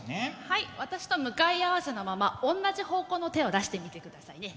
はい私と向かい合わせのままおんなじ方向の手を出してみてくださいね。